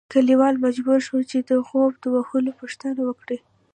کلیوال مجبور شول چې د غوبه د وهلو پوښتنه وکړي.